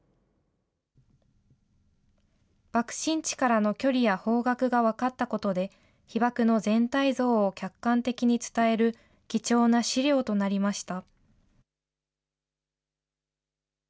爆心地からの距離や方角が分かったことで、被爆の全体像を客観的に伝える貴重な資料となりました。